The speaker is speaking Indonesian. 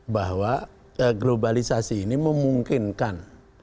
bahwa globalisasi ini memungkinkan